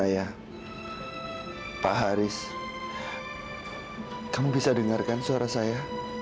kamu tenga ingin dengar suara saya